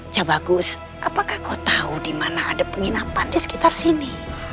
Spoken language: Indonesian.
cabagus apakah kau tahu di mana ada penginapan di sekitar sini